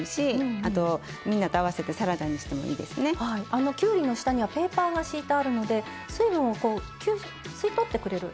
あのきゅうりの下にはペーパーが敷いてあるので水分をこう吸収吸い取ってくれる。